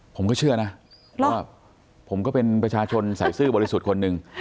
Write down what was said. ผมก็เชื่อนะว่าผมก็เป็นประชาชนใส่ซื่อบริสุทธิ์คนหนึ่ง